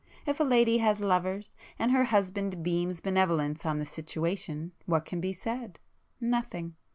If a lady has lovers, and her husband beams benevolence on the situation what can be said? Nothing.